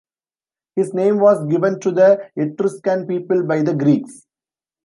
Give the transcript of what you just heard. His name was given to the Etruscan people by the Greeks.